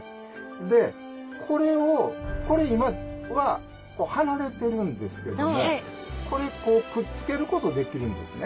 でこれをこれ今は離れてるんですけどもこれこうくっつけることできるんですね。